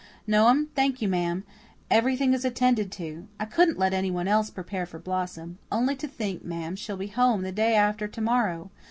"No'm, thank you, ma'am. Everything is attended to. I couldn't let anyone else prepare for Blossom. Only to think, ma'am, she'll be home the day after to morrow.